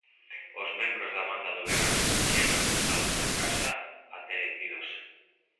Os membros da Banda do Verán chegan a unha casa aterecidos.